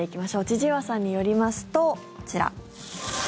千々岩さんによりますとこちら。